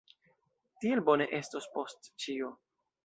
Tiel bone estos post ĉio.